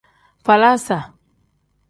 Falaasa.